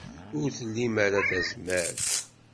Ur tlim ara tazmert.